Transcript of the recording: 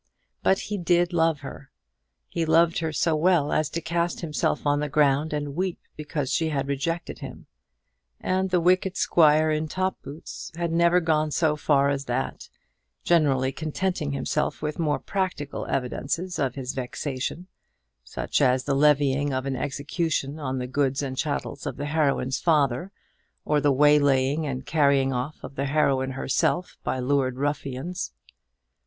But he did love her! He loved her so well as to cast himself on the ground and weep because she had rejected him; and the wicked squire in top boots had never gone so far as that, generally contenting himself with more practical evidences of his vexation, such as the levying of an execution on the goods and chattels of the heroine's father, or the waylaying and carrying off of the heroine herself by hired ruffians.